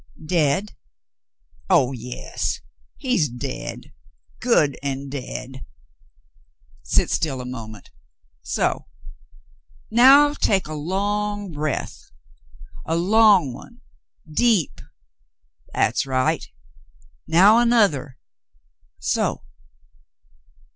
"Dead? Oh, yes. He's dead — good and dead. Sit still a moment — so — now take a long breath. A long one — deep — that's right. Now another — so."